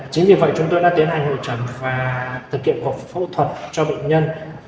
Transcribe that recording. chính vì vậy chúng tôi đã tiến hành hội trần và thực hiện cuộc phẫu thuật cho bệnh nhân